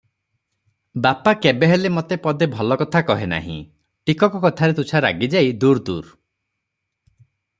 ବାପା କେବେହେଲେ ମତେ ପଦେ ଭଲ କଥା କହେ ନାହିଁ, ଟିକକ କଥାରେ ତୁଚ୍ଛା ରାଗିଯାଇ, 'ଦୂର୍ ଦୂର୍!